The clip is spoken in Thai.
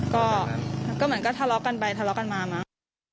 ก็เหมือนก็ทะเลาะกันไปทะเลาะกันมามั้ง